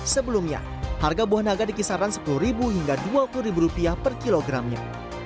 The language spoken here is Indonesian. sebelumnya harga buah naga di kisaran sepuluh hingga rp dua puluh per kilogramnya